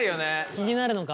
気になるのか！